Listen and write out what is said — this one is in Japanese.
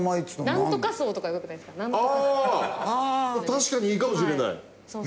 確かにいいかもしれない。